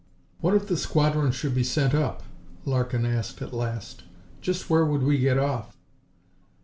"What if the squadron should be sent up?" Larkin asked at last. "Just where would we get off?"